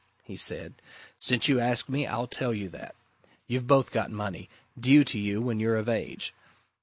he said. "Since you ask me, I'll tell you that. You've both got money due to you when you're of age.